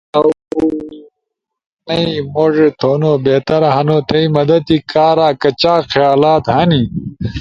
اؤ نئی موڙی تھونو بہتر ہنو۔ تھئی مدد کارا کچاک خیالات ہنی۔